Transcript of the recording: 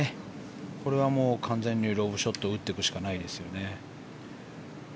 これは完全にロブショットを打っていくしかないです。